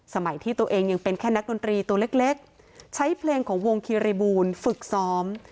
สมัยที่ตัวเองยังเป็นแค่นักดนตรีตัวเล็กใช้เพลงของวงคิริบูลฝึกซ้อม